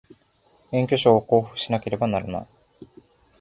免許証を交付しなければならない